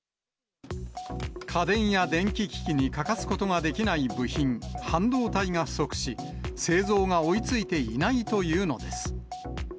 家電や電気機器に欠かすことができない部品、半導体が不足し、製造が追いついていないというのです。